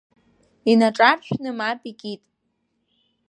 Инаҿаршәны мап икит.